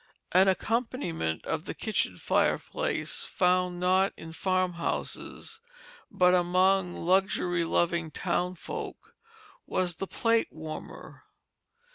An accompaniment of the kitchen fireplace, found, not in farmhouses, but among luxury loving town folk, was the plate warmer.